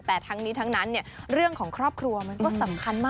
แต่ทั้งนี้ทั้งนั้นเรื่องของครอบครัวมันก็สำคัญมาก